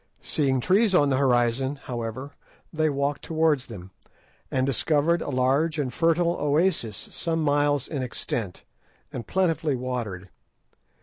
Seeing trees on the horizon, however, they walked towards them, and discovered a large and fertile oasis some miles in extent, and plentifully watered.